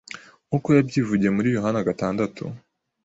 nkuko yabyivugiye muri Yohana gatandatu